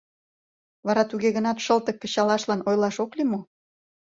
Вара, туге гынат, шылтык кычалашлан ойлаш ок лий мо?